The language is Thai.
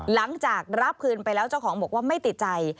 หลังจากรับคืนไปแล้วเจ้าของบอกว่าไม่ติดใจ